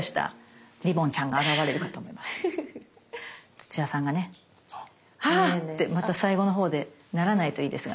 土屋さんがねまた最後のほうでならないといいですが。